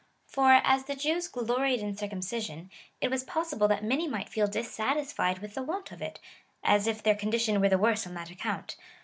For, as the Jews gloried in circumcision, it was possible that many might feel dissatisfied with the want of it, as if their con dition were the worse on that account.